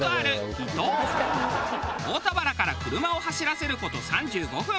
大田原から車を走らせる事３５分。